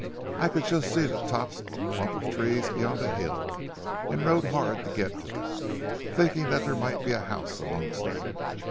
I could just see the tops of a clump of trees beyond a hill, and rode hard to get to them, thinking that there might be a house amongst them.